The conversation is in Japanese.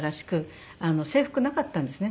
制服なかったんですね。